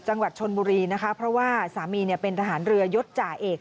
จังหวัดชนบุรีนะคะเพราะว่าสามีเนี่ยเป็นทหารเรือยศจ่าเอก